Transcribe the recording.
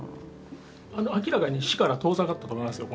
明らかに死から遠ざかったと思いますよ。